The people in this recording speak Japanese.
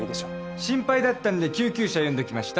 心配だったんで救急車呼んでおきました。